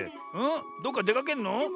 どっかでかけんの？